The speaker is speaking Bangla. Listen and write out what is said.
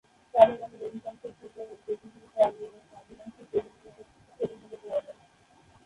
চাঁদের আলোর অধিকাংশই সূর্যের প্রতিফলিত আলো এবং সামান্য অংশই পৃথিবী থেকে প্রতিফলিত আলো।